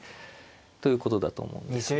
ということだと思うんですが。